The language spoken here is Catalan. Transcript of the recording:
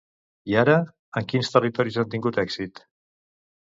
I ara, en quins territoris han tingut èxit?